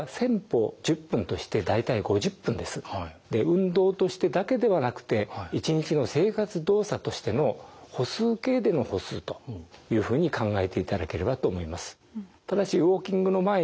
運動としてだけではなくて１日の生活動作としての歩数計での歩数というふうに考えていただければと思います。